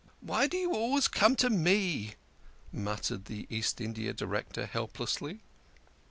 " Why do you always come to me ?" muttered the East India Director helplessly.